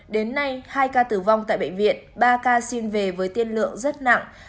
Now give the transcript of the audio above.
đến nay hai ca tử vong tại bệnh viện ba ca xin về với tiên lượng rất nặng